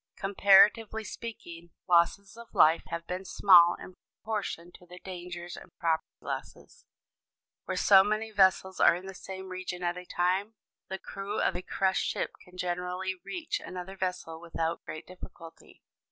Comparatively speaking, losses of life have been small in proportion to the dangers and property losses. Where so many vessels are in the same region at a time, the crew of a crushed ship can generally reach another vessel without great difficulty.